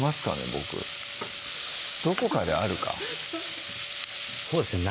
僕どこかであるかそうですよね